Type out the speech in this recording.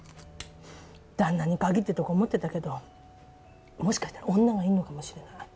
旦那に限ってとか思ってたけどもしかしたら女がいるのかもしれない。